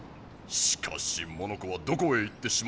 しかしモノコはどこへ行ってしまったんでしょうか。